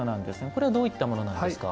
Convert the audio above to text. これはどういったものなんですか？